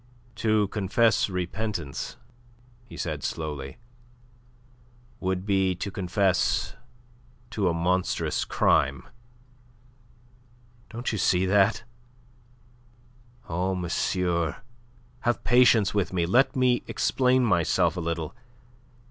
"To confess repentance," he said slowly, "would be to confess to a monstrous crime. Don't you see that? Oh, monsieur, have patience with me; let me explain myself a little.